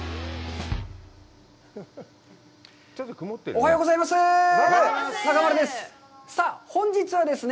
おはようございます。